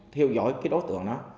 theo dõi cái đối tượng đó